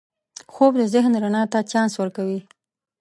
خوب د ذهن رڼا ته چانس ورکوي